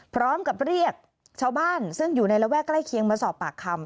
พร้อมกับเรียกชาวบ้านซึ่งอยู่ในระแวกใกล้เคียงมาสอบปากคำ